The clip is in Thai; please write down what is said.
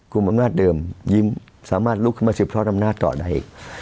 กลุ่มอำนาจเดิมยิ้มสามารถลุกขึ้นมาสืบทอดอำนาจต่อได้อีก